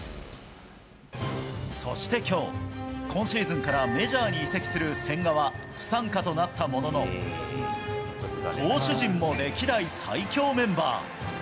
そしてきょう、今シーズンからメジャーに移籍する千賀は不参加となったものの、投手陣も歴代最強メンバー。